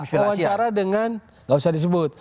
pemawancara dengan gak usah disebut